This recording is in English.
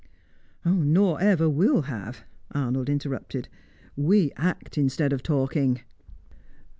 "Nor ever will have," Arnold interrupted. "We act instead of talking."